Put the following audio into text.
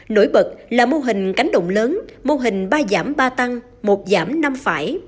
nổi bật là mô hình cánh đồng lớn mô hình ba giảm ba tăng một giảm năm phải